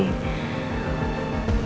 perselembaban aku dengan roy